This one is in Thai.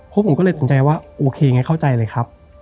เพราะผมก็เลยสนใจว่าโอเคไงเข้าใจเลยครับ